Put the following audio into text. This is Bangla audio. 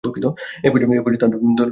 এ পর্যায়ে তার দলের জয়ের অবস্থানে ছিল।